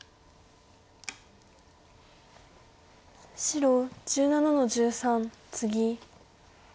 白１７の十三ツギ。